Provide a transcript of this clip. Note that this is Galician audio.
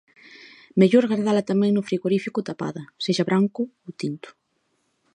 Mellor gardala tamén no frigorífico tapada, sexa branco ou tinto.